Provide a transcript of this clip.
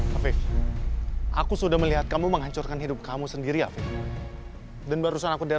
hai afif aku sudah melihat kamu menghancurkan hidup kamu sendiri afif dan barusan aku dari